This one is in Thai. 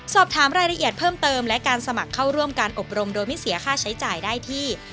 สอบถามรายละเอียดเพิ่มเติมและการสมัครเข้าร่วมการอบรมโดยไม่เสียค่าใช้จ่ายได้ที่